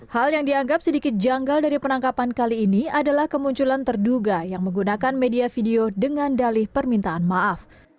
hal yang dianggap sedikit janggal dari penangkapan kali ini adalah kemunculan terduga yang menggunakan media video dengan dalih permintaan maaf